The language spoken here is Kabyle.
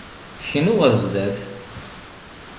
Knu ɣer sdat.